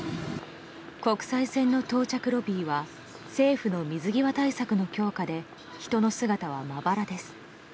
国際線の到着ロビーは政府の水際対策の強化で人の姿はまばらです。